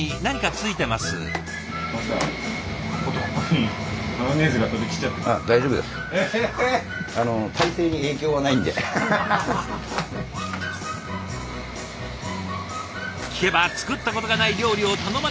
聞けば作ったことがない料理を頼まれることもしばしば。